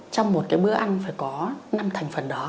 trong một cái bữa ăn phải có năm thành phần đó